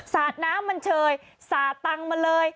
สาดน้ำมันเชยสาดตังมาเลย